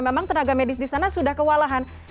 memang tenaga medis di sana sudah kewalahan